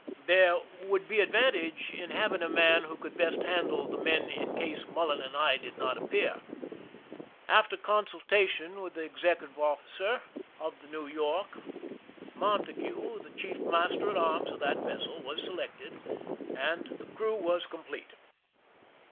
There would be advantage in having a man who could best handle the men in case Mullen and I did not appear. After consultation with the executive offi 54 THE SCHEME AND THE PREPARATIONS cer of the New York, Montague, the chief master at arms of t;hat vessel, was selected, and the crew was complei;e.